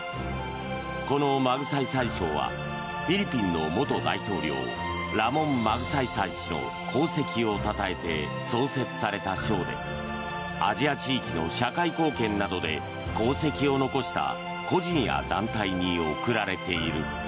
このマグサイサイ賞はフィリピンの元大統領ラモン・マグサイサイ氏の功績をたたえて創設された賞でアジア地域の社会貢献などで功績を残した個人や団体に贈られている。